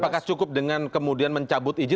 apakah cukup dengan kemudian mencabut izin